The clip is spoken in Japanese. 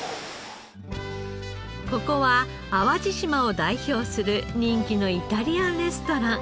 ここは淡路島を代表する人気のイタリアンレストラン。